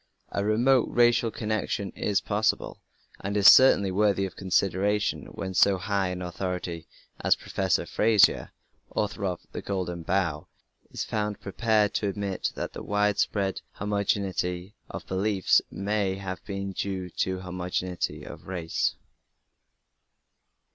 A remote racial connection is possible, and is certainly worthy of consideration when so high an authority as Professor Frazer, author of The Golden Bough, is found prepared to admit that the widespread "homogeneity of beliefs" may have been due to "homogeneity of race".